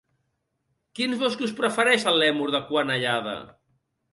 Quins boscos prefereix el lèmur de cua anellada?